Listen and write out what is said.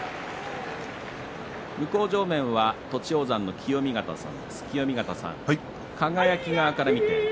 向正面は栃煌山の清見潟さんです。